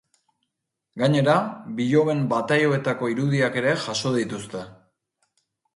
Gainera, biloben bataioetako irudiak ere jaso dituzte.